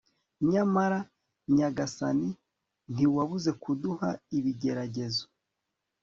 nyamara, nyagasani, ntiwabuze kuduha ibigeragezo